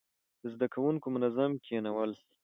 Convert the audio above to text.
د زده کوونکو منظم کښينول،